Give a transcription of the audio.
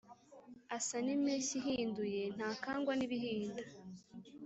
asa n’impeshyi ihinduye. ntakangwa n’ibihinda